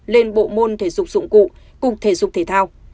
lên bộ môn thể dục dụng cụ cùng thể dục thể thao